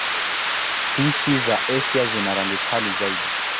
Spishi za Asia zina rangi kali zaidi.